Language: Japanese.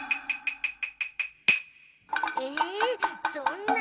えそんな。